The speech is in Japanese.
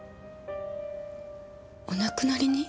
お亡くなりに？